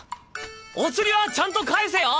おつりはちゃんと返せよ。